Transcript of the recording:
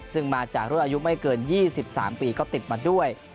ซึ่งมาจากรุ่นอายุไม่เกิน๒๓ปีก็ติดมาด้วย